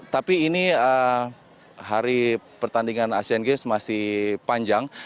tapi ini hari pertandingan asean games masih panjang